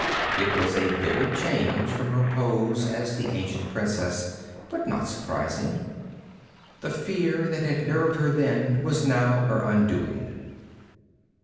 It was a vivid change from her pose as the ancient princess, but not surprising. The fear that had nerved her then was now her undoing.